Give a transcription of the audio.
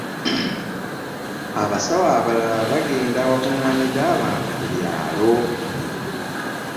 Abasawo abalala bagenda awakungaanidde abantu ku byalo.